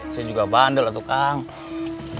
saya juga bandel lah tukang